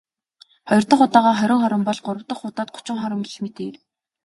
Хоёр дахь удаагаа хорин хором бол.. Гурав дахь удаад гучин хором гэх мэтээр.